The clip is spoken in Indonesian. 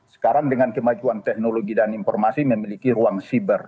sekarang dengan kemajuan teknologi dan informasi memiliki ruang siber